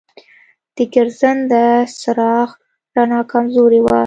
د ګرځنده چراغ رڼا کمزورې وه.